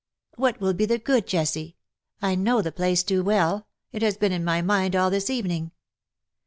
" What will be the good, Jessie ? I know the place too well j it has been in my mind all this evening.''